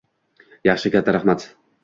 Yaxshi, katta rahmat.